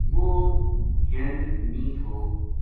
وہ جن نیہہ تھو